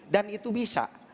dan itu bisa